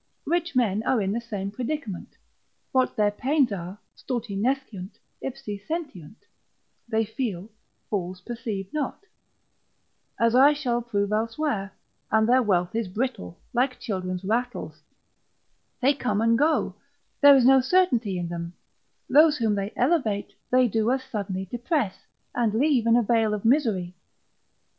Rich men are in the same predicament; what their pains are, stulti nesciunt, ipsi sentiunt: they feel, fools perceive not, as I shall prove elsewhere, and their wealth is brittle, like children's rattles: they come and go, there is no certainty in them: those whom they elevate, they do as suddenly depress, and leave in a vale of misery.